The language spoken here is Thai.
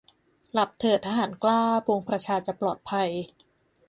หลับเถิดทหารกล้า ปวงประชาจะปลอดภัย